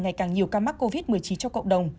ngày càng nhiều ca mắc covid một mươi chín trong cộng đồng